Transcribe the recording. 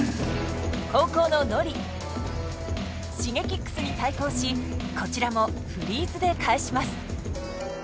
後攻のＮＯＲＩＳｈｉｇｅｋｉｘに対抗しこちらもフリーズで返します。